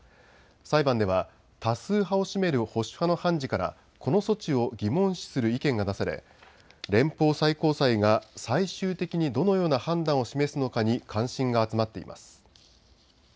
裁判では多数派を占める保守派の判事からこの措置を疑問視する意見が出され連邦最高裁が最終的にどのような判断を示すのかに関心が集まっています。